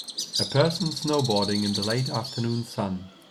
A person snowboarding in the late afternoon sun.